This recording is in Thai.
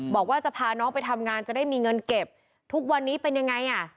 บอกว่าจะพาน้องไปทำงานจะได้มีเงินเก็บทุกวันนี้เป็นยังไงอ่ะ